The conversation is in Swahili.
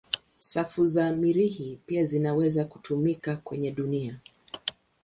Safu za Mirihi pia zinaweza kutumika kwenye dunia.